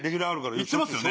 行ってますよね？